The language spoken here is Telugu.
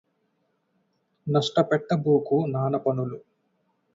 నష్టపెట్టబోకు నాన్నపనులు